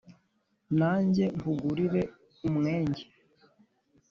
nanjye nkugurire umwenge